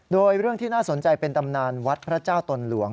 โดยเรื่องที่น่าสนใจเป็นตำนานวัดพระเจ้าตนหลวง